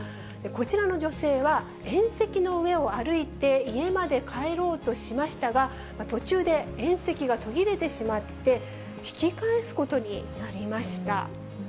こちらの女性は、縁石の上を歩いて家まで帰ろうとしましたが、途中で縁石が途切れてしまって、引き返すことになりました。